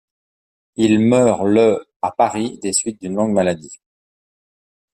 Il meurt le à Paris des suites d'une longue maladie.